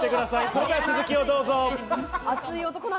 それでは続きをどうぞ。